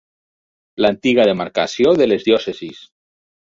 L'antiga demarcació de les diòcesis.